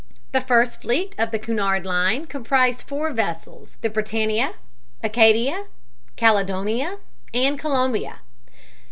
The first fleet of the Cunard Line comprised four vessels, the Britannia, Acadia, Caledonia and Columbia.